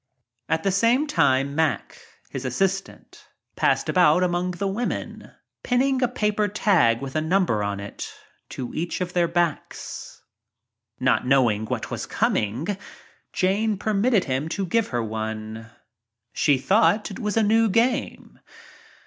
At the same time Mack, his assistant, passed about among the women pinning a paper tag with a number on it to each of their backs. Not know ing what was coming, Jane permitted him to give her one. She thought it was a new game.